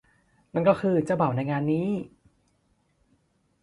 นั่นก็คือเจ้าบ่าวในงานนี้